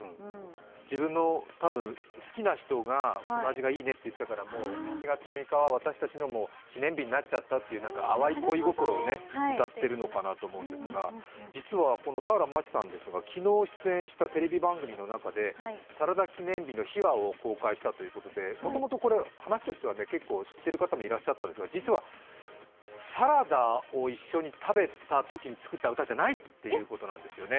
自分の多分好きな人が、この味がいいねと言ったから、７月６日は私たちのもう記念日になっちゃったという淡い恋心を歌っているのかと思いますが、実はこの俵万智さんですが昨日出演したテレビ番組の中で「サラダ記念日」の秘話を公開したということで、もともと話としては結構知ってる方もいらっしゃったんですけど、実はサラダを一緒に食べたときに作った歌じゃないということなんですね。